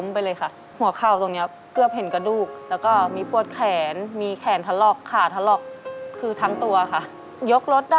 แผลมันจะเห็นกระดูกแล้วเนี่ย